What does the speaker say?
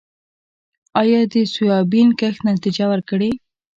آیا د سویابین کښت نتیجه ورکړې؟